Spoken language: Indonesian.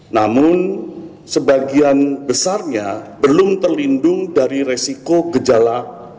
namun sebagian besarnya belum terlindung dari resiko gejala